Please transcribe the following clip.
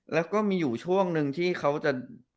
แล้วก็มีอยู่ช่วงหนึ่งที่เขาจะ